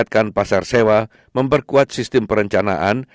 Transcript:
dan memperkuat sistem perencanaan